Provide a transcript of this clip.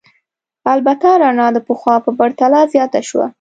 البته رڼا د پخوا په پرتله زیاته شوه.